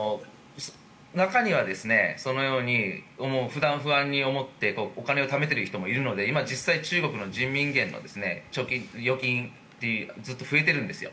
中にはそのように不安に思ってお金をためている人もいるので今、実際に中国の人民元の預金ってずっと増えてるんですよ。